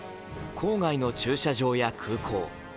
郊外の駐車場や空港。